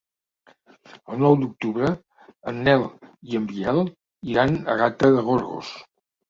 El nou d'octubre en Nel i en Biel iran a Gata de Gorgos.